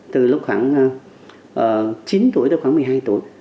từ lúc khoảng chín tuổi đến khoảng một mươi hai tuổi